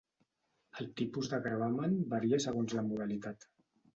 El tipus de gravamen varia segons la modalitat.